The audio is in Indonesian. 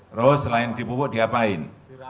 terus selain dipupuk diapain